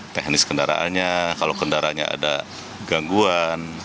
teknis kendaraannya kalau kendaraannya ada gangguan